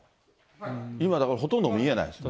今、だからほとんど見えないんです。